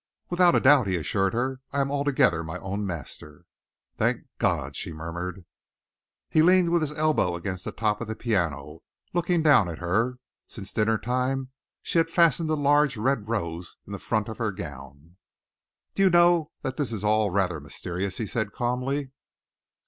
"Without a doubt," he assured her. "I am altogether my own master." "Thank God," she murmured. He leaned with his elbow against the top of the piano, looking down at her. Since dinnertime she had fastened a large red rose in the front of her gown. "Do you know that this is all rather mysterious?" he said calmly.